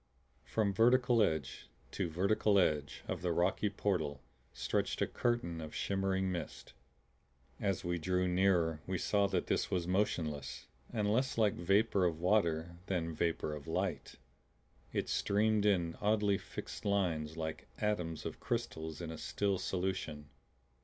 From vertical edge to vertical edge of the rocky portal stretched a curtain of shimmering mist. As we drew nearer we saw that this was motionless, and less like vapor of water than vapor of light; it streamed in oddly fixed lines like atoms of crystals in a still solution.